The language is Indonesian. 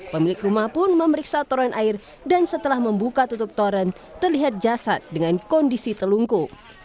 pemilik rumah pun memeriksa toren air dan setelah membuka tutup toren terlihat jasad dengan kondisi telungku